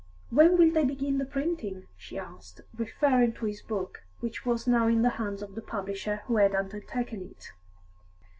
"When will they begin the printing?" she asked, referring to his book, which was now in the hands of the publisher who had undertaken it.